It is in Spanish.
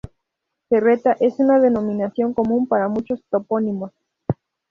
Serreta es una denominación común para muchos topónimos.